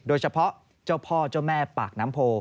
โดยเฉพาะเจ้าพ่อเจ้าแม่ปากน้ำโพ